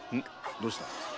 どうした？